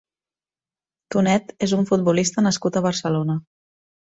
Tonet és un futbolista nascut a Barcelona.